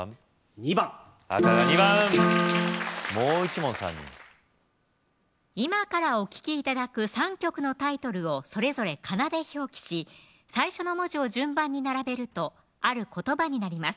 ２番赤が２番もう１問３人今からお聴き頂く３曲のタイトルをそれぞれカナで表記し最初の文字を順番に並べるとある言葉になります